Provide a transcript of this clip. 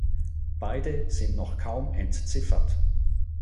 Beide sind noch kaum entziffert.